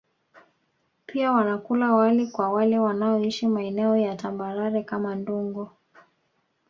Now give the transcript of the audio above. Pia wanakula wali kwa wale wanaoishi maeneo ya tambarare kama Ndungu